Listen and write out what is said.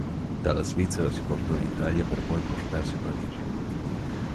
Dalla Svizzera si portò in Italia per poi portarsi a Parigi.